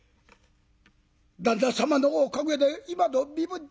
旦那様のおかげで今の身分に。